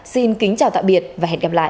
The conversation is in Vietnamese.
xin kính chào tạm biệt và hẹn gặp lại